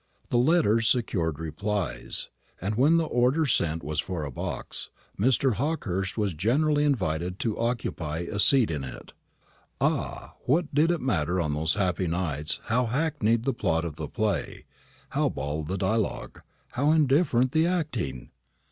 The letters secured replies; and when the order sent was for a box, Mr. Hawkehurst was generally invited to occupy a seat in it. Ah, what did it matter on those happy nights how hackneyed the plot of the play, how bald the dialogue, how indifferent the acting!